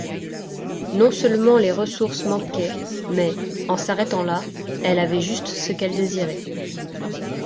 Non-seulement les ressources manquaient, mais, en s'arrêtant là, elle avait juste ce qu'elle désirait.